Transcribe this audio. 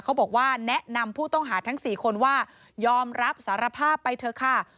เขาบอกว่าแนะนำผู้ต้องหาทั้ง๔คนว่ายอมรับสารภาพไปเถอะค่ะ